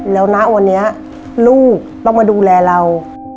แล้วนะวันนี้ลูกต้องมาดูแลเรา